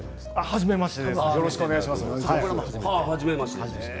はじめまして。